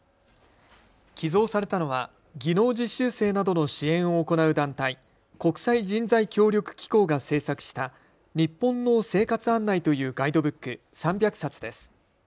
寄贈されたのは技能実習生などの支援を行う団体、国際人材協力機構が制作した日本の生活案内というガイドブック３００冊です。